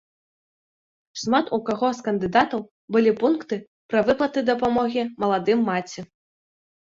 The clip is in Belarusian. Шмат у каго з кандыдатаў былі пункты пра выплаты дапамогі маладым маці.